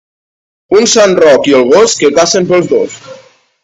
Un sant Roc i el gos, que cacen pels dos.